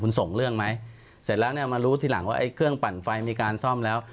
คุณส่งเรื่องไหมเสร็จแล้วเนี่ยมารู้ทีหลังว่าไอ้เครื่องปั่นไฟมีการซ่อมแล้ว